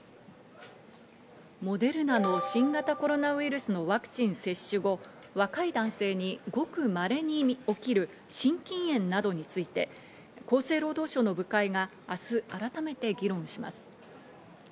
モデルナの新型コロナウイルスのワクチン接種後、若い男性にごくまれに起きる心筋炎などについて厚生労働省の部会が明日改めて議論します。